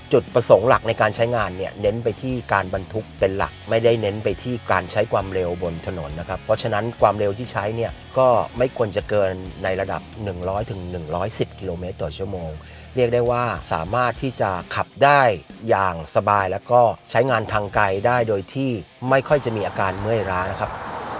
จุดประสงค์หลักในการใช้งานเนี่ยเน้นไปที่การบรรทุกเป็นหลักไม่ได้เน้นไปที่การใช้ความเร็วบนถนนนะครับเพราะฉะนั้นความเร็วที่ใช้เนี่ยก็ไม่ควรจะเกินในระดับหนึ่งร้อยถึง๑๑๐กิโลเมตรต่อชั่วโมงเรียกได้ว่าสามารถที่จะขับได้อย่างสบายแล้วก็ใช้งานทางไกลได้โดยที่ไม่ค่อยจะมีอาการเมื่อยร้างนะครับ